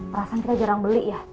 perasaan kita jarang beli ya